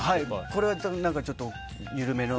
これはちょっと緩めの。